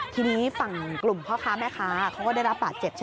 ทีนี้ฝั่งกลุ่มพ่อค้าแม่ค้าเขาก็ได้รับบาดเจ็บใช่ไหม